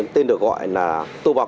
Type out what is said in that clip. tên được gọi là tô bọc